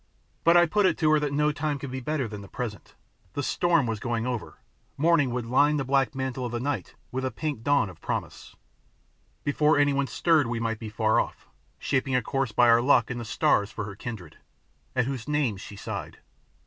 But I put it to her that no time could be better than the present: the storm was going over; morning would "line the black mantle of the night with a pink dawn of promise"; before any one stirred we might be far off, shaping a course by our luck and the stars for her kindred, at whose name she sighed.